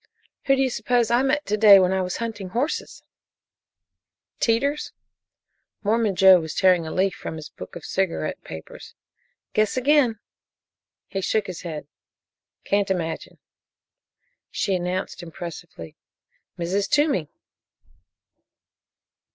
"Who do you suppose I met to day when I was hunting horses?" "Teeters?" Mormon Joe was tearing a leaf from his book of cigarette papers. "Guess again." He shook his head. "Can't imagine." She announced impressively: "Mrs. Toomey!"